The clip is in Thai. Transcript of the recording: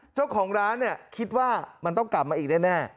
เจ้าของร้านเนี่ยคิดว่ามันต้องกลับมาอีกแน่